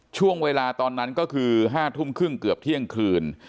ช่วงเวลาตอนนั้นก็คือ๐๕๓๐นเกือบเที่ยงคืน